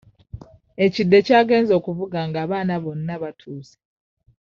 Ekide ky'agenze okuvuga nga abaana bonna batuuse.